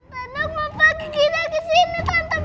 tante bela kita kesini